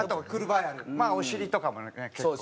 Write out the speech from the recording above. まあお尻とかもね結構。